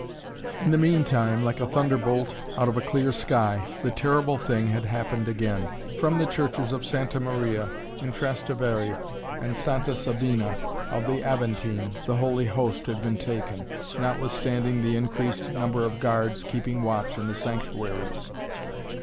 In the meantime, like a thunderbolt out of a clear sky, the terrible thing had happened again. From the churches of Santa Maria in Trastevere and Santa Sabina of the Aventine, the Holy Host had been taken, notwithstanding the increased number of guards keeping watch in the sanctuaries.